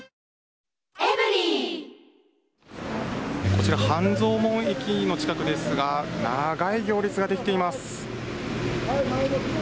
こちら、半蔵門駅の近くですが、長い行列が出来ています。